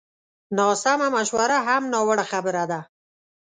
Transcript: ناسمه مشوره هم ناوړه خبره ده